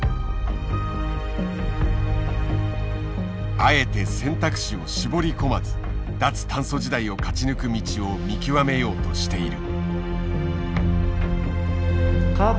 あえて選択肢を絞り込まず脱炭素時代を勝ち抜く道を見極めようとしている。